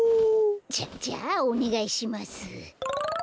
じゃじゃあおねがいします。